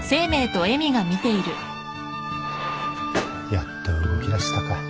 やっと動きだしたか。